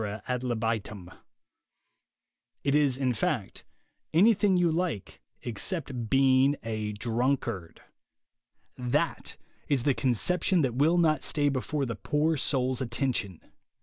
ad libitum — it is, in fact, anything you like except being a drunkard. That is the conception that will not stay before the poor soul's attention.